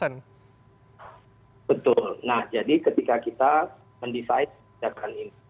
nah jadi ketika kita mendesain